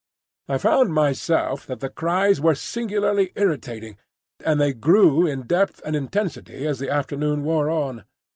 I found myself that the cries were singularly irritating, and they grew in depth and intensity as the afternoon wore on.